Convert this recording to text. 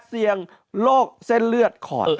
เสี่ยงโรคเส้นเลือดขอด